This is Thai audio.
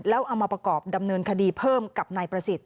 แล้วเอามาประกอบดำเนินคดีเพิ่มกับนายประสิทธิ